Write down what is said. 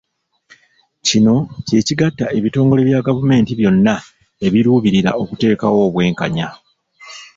Kino kye kigatta ebitongole bya gavumenti byonna ebiruubirira okuteekawo obwenkanya.